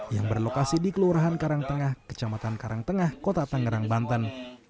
yang berlokasi di kelurahan karangtengah kecamatan karangtengah kota tangerang banten